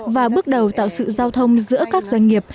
và bước đầu tạo sự giao thông giữa các doanh nghiệp